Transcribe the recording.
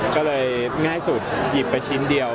ก็เลยง่ายสุดหยิบไปชิ้นเดียว